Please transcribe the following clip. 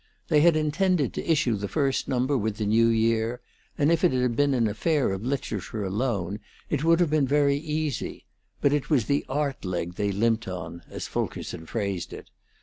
They had intended to issue the first number with the new year, and if it had been an affair of literature alone, it would have been very easy; but it was the art leg they limped on, as Fulkerson phrased it.